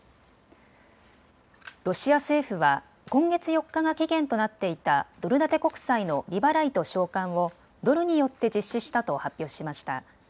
ロシア政府は今月４日が期限となっていたドル建て国債の利払いと償還をドルによって実施したと発表しました。